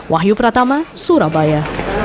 wahyu pratama surabaya